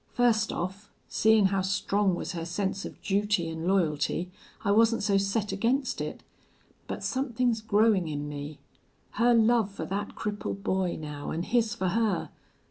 "Fust off, seein' how strong was her sense of duty an' loyalty, I wasn't so set against it. But somethin's growin' in me. Her love for that crippled boy, now, an' his for her!